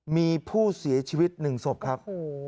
มีผู้เสียชีวิต๑ศพครับ